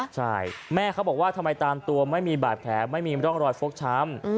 ใช่แม่เขาบอกว่าทำไมตามตัวไม่มีบาดแผลไม่มีร่องรอยฟกช้ำ